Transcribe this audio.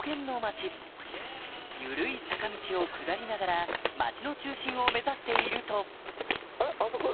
町緩い坂道を下りながら町の中心を目指しているといますか？